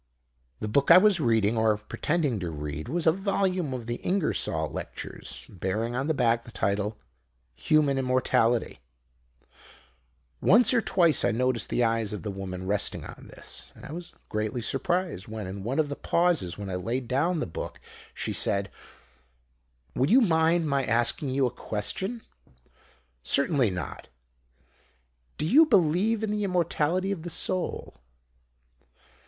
"The book I was reading, or pretending to read, was a volume of the Ingersoll Lectures, bearing on the back the title Human Immortality. Once or twice I noticed the eyes of the woman resting on this, but I was greatly surprised when, in one of the pauses when I laid down the book, she said "'Would you mind my asking you a question?' "'Certainly not.' "'Do you believe in the Immortality of the Soul?'